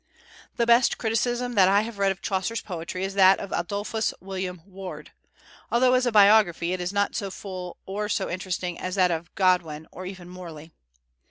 The best criticism that I have read of Chaucer's poetry is that of Adolphus William Ward; although as a biography it is not so full or so interesting as that of Godwin or even Morley.